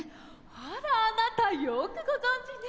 あらあなたよくご存じね。